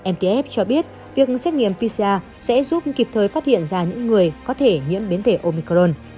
mtf cho biết việc xét nghiệm pcr sẽ giúp kịp thời phát hiện ra những người có thể nhiễm biến thể omicron